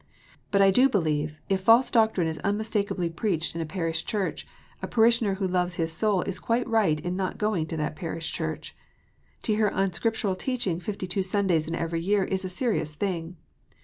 But I do believe, if false doctrine is unmistakably preached in a parish church, a parishioner who loves his soul is quite right in not going to that parish church. To hear un scriptural teaching fifty two Sundays in every year is a serious thing.